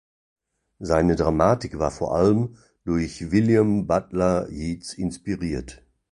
Seine Dramatik war vor allem durch William Butler Yeats inspiriert.